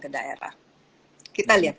ke daerah kita lihat